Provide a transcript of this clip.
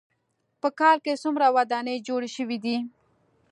په کال کې څومره ودانۍ جوړې شوې دي.